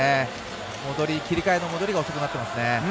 切り替えの戻りが遅くなってますね。